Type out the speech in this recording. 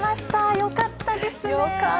よかったですね！